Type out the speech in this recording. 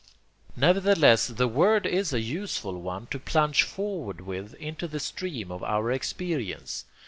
Nevertheless the word is a useful one to plunge forward with into the stream of our experience.